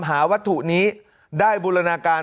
หาวัตถุนี้ได้บูรณาการ